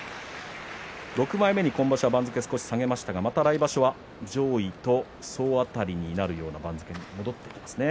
６枚目に今場所は番付を少し下げましたが、また来場所は上位と総当たりになるような番付に戻ってきますね。